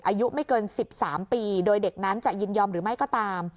อายุไม่เกิน๑๓ปีโดยเด็กนั้นจะยินยอมหรือไม่ก็ตาม